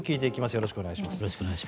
よろしくお願いします。